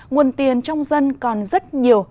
nguồn tiền trong dân còn rất nhiều